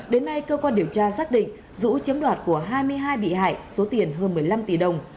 đến nay cơ quan điều tra xác định dũ chiếm đoạt của hai mươi hai bị hại số tiền hơn một mươi năm tỷ đồng